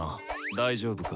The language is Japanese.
大丈夫か？